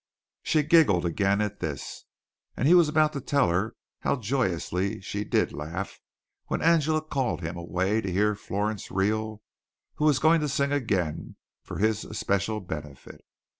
She giggled again at this, and he was about to tell her how joyously she did laugh when Angela called him away to hear Florence Reel, who was going to sing again for his especial benefit.